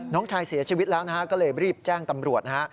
น้องชายเสียชีวิตแล้วก็เลยรีบแจ้งตำรวจ